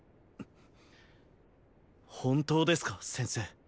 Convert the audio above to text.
本当ですか先生？